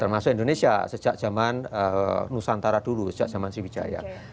termasuk indonesia sejak zaman nusantara dulu sejak zaman sriwijaya